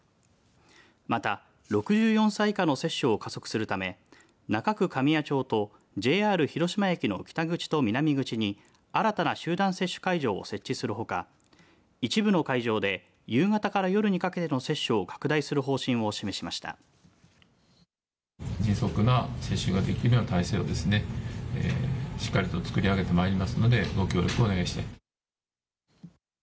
また６４歳以下の接種を加速するため中区紙屋町とＪＲ広島駅の北口と南口に新たな集団接種会場を設置するほか一部の会場で夕方から夜にかけての接種を拡大する方針を示しました。